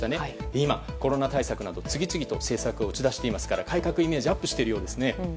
今、コロナ対策など次々と政策を打ち出していますから改革イメージはアップしています。